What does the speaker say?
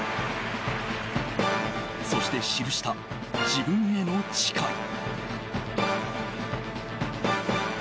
そして、記した自分への誓い。